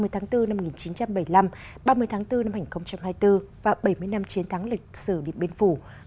ba mươi tháng bốn năm một nghìn chín trăm bảy mươi năm ba mươi tháng bốn năm hai nghìn hai mươi bốn và bảy mươi năm chiến thắng lịch sử điện biên phủ